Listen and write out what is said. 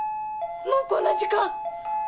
もうこんな時間！